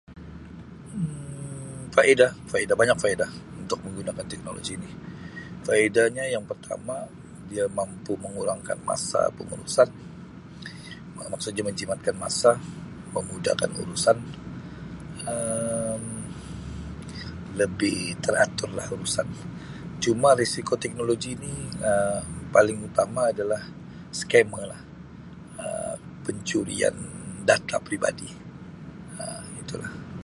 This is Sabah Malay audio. Um Faedah-faedah, banyak faedah untuk menggunakan teknologi ini. Faedahnya yang pertama dia mampu mengurangkan masa pengurusan Um maksudnya menjimatkan masa memudahkan urusan Um lebih teratur lah urusan. Cuma risiko teknologi ni Um paling utama adalah scammer lah Um pencurian data peribadi Um itulah.